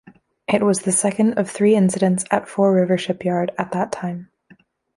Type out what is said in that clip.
It was the second of three incidents at Fore River Shipyard at that time.